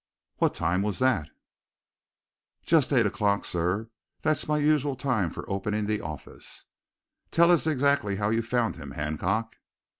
"What time was that?" "Just eight o'clock, sir that's my usual time for opening the office." "Tell us exactly how you found him, Hancock."